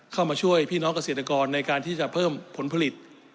เข้ามาช่วยพี่น้องเกษตรกรในการที่จะเพิ่มผลผลิต